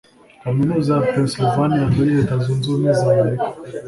kaminuza ya Pennsylvania muri Leta zunze Ubumwe z'Amerika